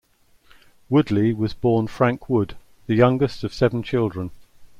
Woodley was born Frank Wood, the youngest of seven children.